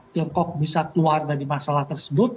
tiongkok bisa keluar dari masalah tersebut